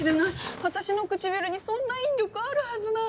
私の唇にそんな引力あるはずない。